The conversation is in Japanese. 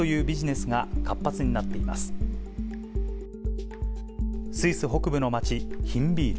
スイス北部の町、ヒンヴィール。